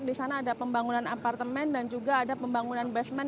di sana ada pembangunan apartemen dan juga ada pembangunan basement